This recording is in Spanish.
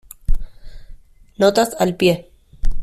Notas al pie